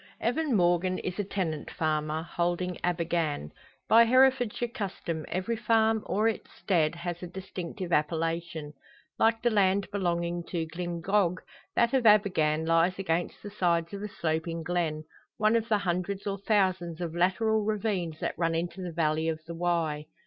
Evan Morgan is a tenant farmer, holding Abergann. By Herefordshire custom, every farm or its stead, has a distinctive appellation. Like the land belonging to Glyngog, that of Abergann lies against the sides of a sloping glen one of the hundreds or thousands of lateral ravines that run into the valley of the Wye.